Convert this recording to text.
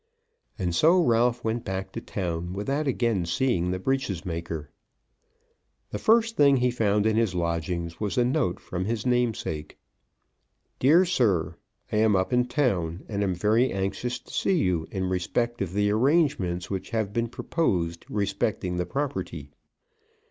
And so Ralph went back to town without again seeing the breeches maker. The first thing he found in his lodgings was a note from his namesake. DEAR SIR, I am up in town, and am very anxious to see you in respect of the arrangements which have been proposed respecting the property.